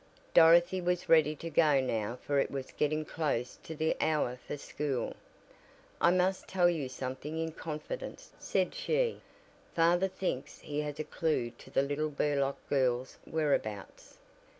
Dorothy was ready to go now for it was getting close to the hour for school. "I must tell you something in confidence," said she, "father thinks he has a clew to the little Burlock girl's whereabouts."